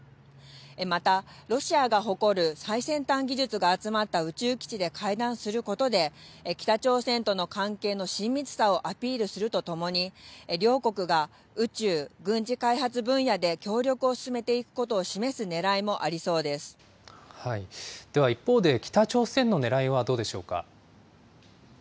また、ロシアが誇る最先端技術が集まった宇宙基地で会談することで、北朝鮮との関係の親密さをアピールするとともに、両国が宇宙・軍事開発分野で協力を進めていくことを示すねらいもでは、一方で北朝鮮のねらい